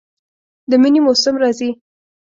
د منی موسم راځي